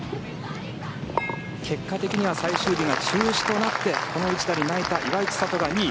結果的には最終日が中止となってこの一打で泣いた岩井千怜が２位。